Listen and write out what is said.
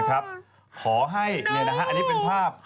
ขอให้นี่นะครับอันนี้เป็นภาพ